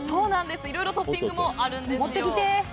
いろいろトッピングもあるんですよ。